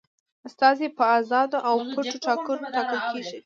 استازي په آزادو او پټو ټاکنو ټاکل کیږي.